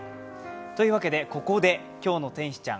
というわけで、ここで「今日の天使ちゃん」。